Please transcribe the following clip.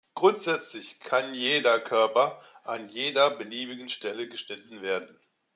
Grundsätzlich kann jeder Körper an jeder beliebigen Stelle geschnitten werden.